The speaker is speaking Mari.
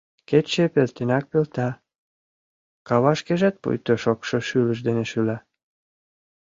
Кече пелтенак пелта, кава шкежат пуйто шокшо шӱлыш дене шӱла.